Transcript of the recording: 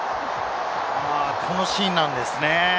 このシーンなんですね。